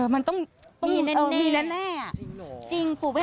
มันต้องมีนั้นแน่